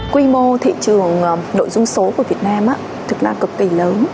quy mô thị trường nội dung số của việt nam thực ra cực kỳ lớn